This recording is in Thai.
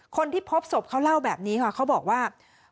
คนที่พบศพเขาเล่าแบบนี้ค่ะเขาบอกว่า